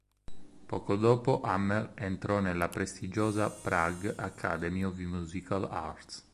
Poco dopo Hammer entrò nella prestigiosa Prague Academy of Musical Arts.